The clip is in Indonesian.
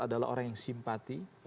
adalah orang yang simpati